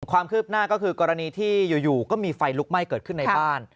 ความคืบหน้าก็คือกรณีที่อยู่ก็มีไฟลุกไหม้เกิดขึ้นในบ้าน